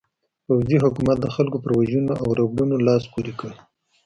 پوځي حکومت د خلکو پر وژنو او ربړونو لاس پورې کړ.